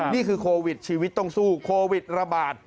นี่คือโควิดชีวิตต้องสู้โควิดระบาด